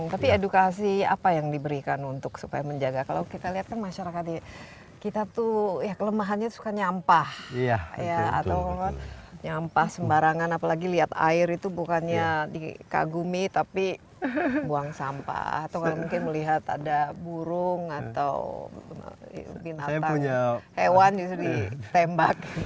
tapi edukasi apa yang diberikan untuk supaya menjaga kalau kita lihat kan masyarakatnya kita tuh ya kelemahannya suka nyampah ya atau nyampah sembarangan apalagi lihat air itu bukannya dikagumi tapi buang sampah atau mungkin melihat ada burung atau binatang hewan itu ditembak